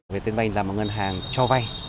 về tiến vay là một ngân hàng cho vay